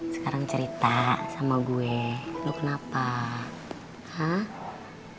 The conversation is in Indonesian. sekarang cerita sama gue lo kenapa hah